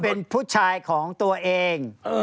เป็นผู้ชายของตัวเอง